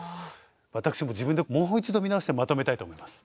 私も自分でもう一度見直してまとめたいと思います。